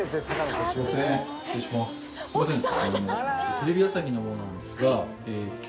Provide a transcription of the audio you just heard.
テレビ朝日の者なんですが。